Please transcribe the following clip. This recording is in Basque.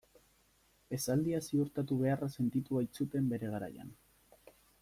Esaldia ziurtatu beharra sentitu baitzuten bere garaian.